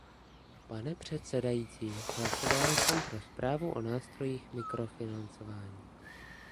Pane předsedající, hlasovala jsem pro zprávu o nástrojích mikrofinancování.